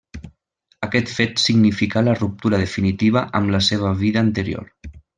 Aquest fet significà la ruptura definitiva amb la seva vida anterior.